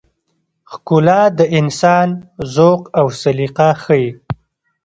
ښکلا د انسان ذوق او سلیقه ښيي.